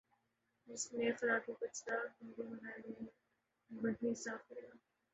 جس نے خلاکو کچرا کنڈی بنایا ہے وہی صاف کرے گا